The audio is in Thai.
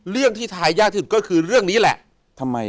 เรื่องที่ทายากที่สุดก็คือเรื่องนี้แหละทำไม